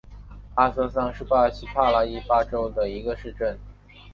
阿孙桑是巴西帕拉伊巴州的一个市镇。